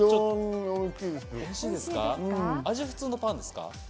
味、普通のパンですか？